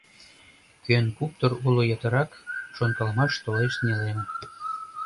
Кӧн куптыр уло ятырак Шонкалымаш толеш нелемын.